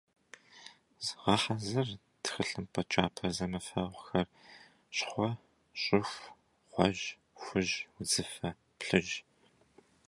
Гъэхьэзыр тхылъымпӀэ кӀапэ зэмыфэгъухэр: щхъуэ, щӀыху, гъуэжь, хужь, удзыфэ, плъыжь.